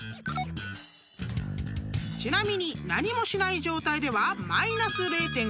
［ちなみに何もしない状態では］